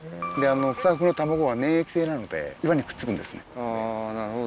クサフグの卵は粘液性なので岩にくっつくんですね。